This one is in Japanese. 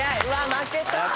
負けた！